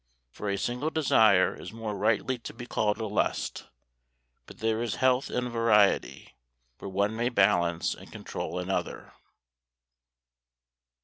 For a single desire is more rightly to be called a lust; but there is health in a variety, where one may balance and control another."